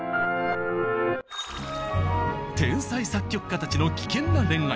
天才作曲家たちの危険な恋愛。